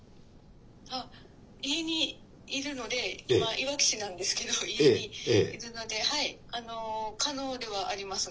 あ家にいるので今いわき市なんですけど家にいるのではい可能ではありますが。